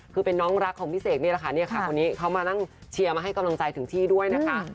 คือเป็นน้องรักของพี่เสกนี่แหละค่ะเนี่ยค่ะคนนี้เขามานั่งเชียร์มาให้กำลังใจถึงที่ด้วยนะคะ